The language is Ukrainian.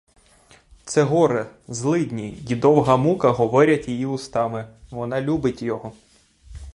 Це горе, злидні й довга мука говорять її устами, вона любить його.